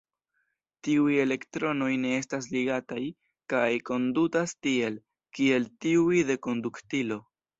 Tiuj elektronoj ne estas ligataj, kaj kondutas tiel, kiel tiuj de konduktilo.